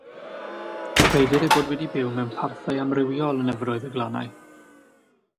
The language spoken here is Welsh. Credir ei fod wedi byw mewn parthau amrywiol yn nyfroedd y glannau.